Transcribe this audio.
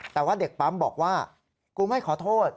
แต่ว่าเด็กปั๊มบอกว่ากูไม่ขอโทษ